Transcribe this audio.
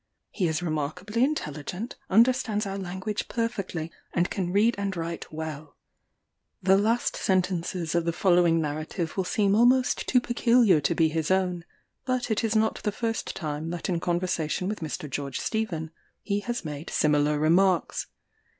He is remarkably intelligent, understands our language perfectly, and can read and write well. The last sentences of the following narrative will seem almost too peculiar to be his own; but it is not the first time that in conversation with Mr. George Stephen, he has made similar remarks.